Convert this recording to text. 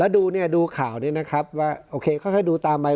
แล้วดูเนี่ยดูข่าวนี้นะครับว่าโอเคค่อยดูตามไป